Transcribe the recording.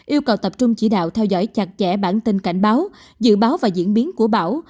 yêu cầu tập trung chỉ đạo theo dõi chặt chẽ bản tin cảnh báo dự báo và diễn biến của bão